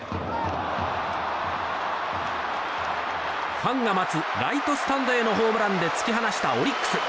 ファンが待つライトスタンドへのホームランで突き放したオリックス。